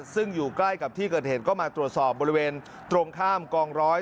ซึ่งอยู่ใกล้กับที่เกิดเหตุก็มาตรวจสอบบริเวณตรงข้ามกองร้อย